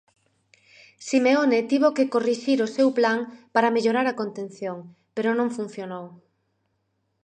Simeone tivo que corrixir o seu plan para mellorar a contención pero non funcionou.